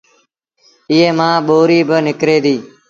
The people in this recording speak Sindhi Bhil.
ايئي مآݩ ٻُوريٚ با نڪري ديٚ۔